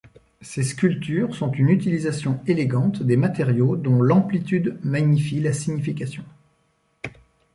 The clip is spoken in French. Ses sculptures sont une utilisation élégante des matériaux dont l'amplitude magnifie la signification.